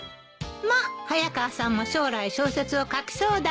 まっ早川さんも将来小説を書きそうだけど。